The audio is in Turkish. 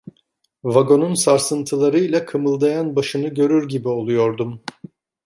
Vagonun sarsıntılarıyla kımıldayan başını görür gibi oluyordum.